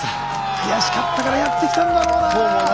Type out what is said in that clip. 悔しかったからやってきたんだろうな。